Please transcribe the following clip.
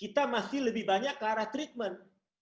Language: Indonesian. kita masih lebih banyak ke arah treatment